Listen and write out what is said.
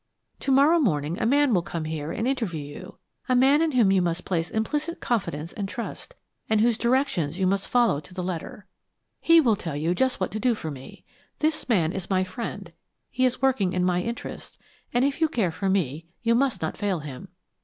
To morrow morning a man will come here and interview you a man in whom you must place implicit confidence and trust, and whose directions you must follow to the letter. He will tell you just what to do for me. This man is my friend; he is working in my interests, and if you care for me you must not fail him."